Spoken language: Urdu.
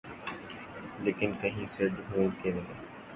لیکن کہیں سے ڈھونڈ کے لائے۔